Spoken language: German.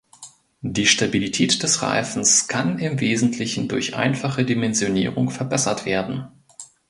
Die Stabilität des Reifens kann im Wesentlichen durch einfache "Dimensionierung" verbessert werden.